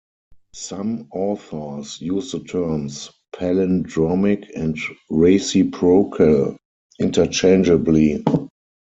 Some authors use the terms "palindromic" and "reciprocal" interchangeably.